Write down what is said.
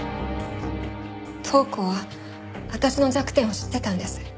塔子は私の弱点を知ってたんです。